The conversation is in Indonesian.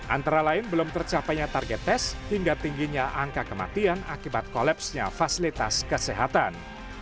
antara lain belum tercapainya target tes hingga tingginya angka kematian akibat kolapsnya fasilitas kesehatan